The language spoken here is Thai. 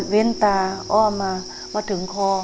โว้งตามอ้อมามาถึงคอ